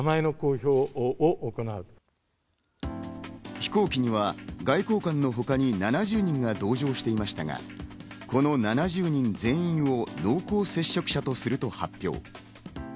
飛行機には外交官のほかに７０人が同乗していましたが、この７０人全員を濃厚接触者とすると発表。